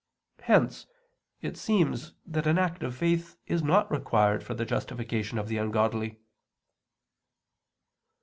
Hence it seems that an act of faith is not required for the justification of the ungodly.